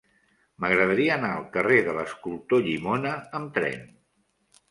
M'agradaria anar al carrer de l'Escultor Llimona amb tren.